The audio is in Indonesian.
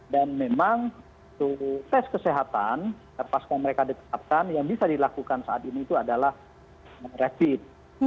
dan memang tes kesehatan pas mereka ditekatkan yang bisa dilakukan saat ini itu adalah rapid